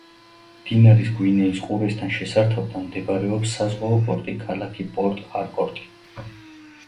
მდინარის გვინეის ყურესთან შესართავთან მდებარეობს საზღვაო პორტი ქალაქი პორტ-ჰარკორტი.